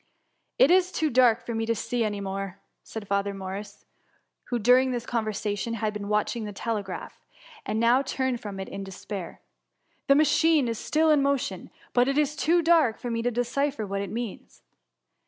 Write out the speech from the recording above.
'^*^ It is too dark to see any more/' said Fa ther Morris, who, during this conversation, had been watching the telegraph, and now turned from it in despair ;^^ the machine is still in mo tion, but it is too dark for me to decipher what it means."